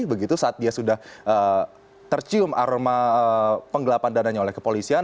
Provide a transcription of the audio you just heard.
begitu saat dia sudah tercium aroma penggelapan dananya oleh kepolisian